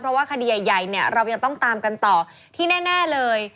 เพราะว่าคดีใหญ่เนี่ยเรายังต้องตามกันต่อที่แน่เลย